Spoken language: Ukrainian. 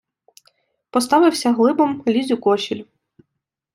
Поставився грибом, лізь у кошіль.